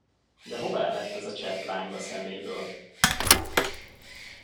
De hová lett az a csepp láng a szeméből?